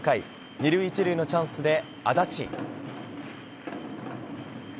２塁１塁のチャンスで安達。